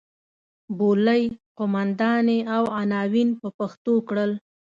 بولۍ قوماندې او عناوین په پښتو کړل.